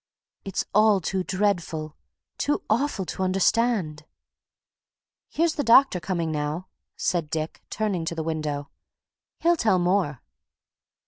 "It's all too dreadful! too awful to understand!" "Here's the doctor coming now," said Dick, turning to the window. "He'll tell more."